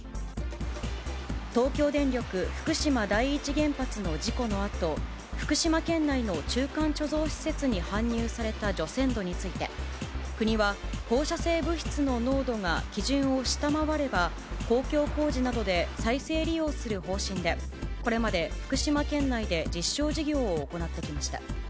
東京電力福島第一原発の事故のあと、福島県内の中間貯蔵施設に搬入された除染土について、国は放射性物質の濃度が基準を下回れば、公共工事などで再生利用する方針で、これまで福島県内で実証事業を行ってきました。